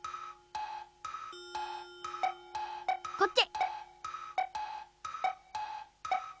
こっち。